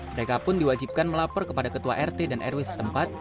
mereka pun diwajibkan melapor kepada ketua rt dan rw setempat